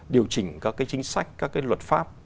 điều chỉnh các cái chính sách các cái luật pháp